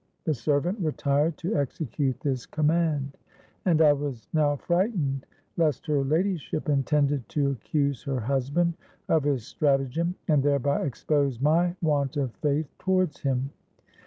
The servant retired to execute this command; and I was now frightened lest her ladyship intended to accuse her husband of his stratagem, and thereby expose my want of faith towards him.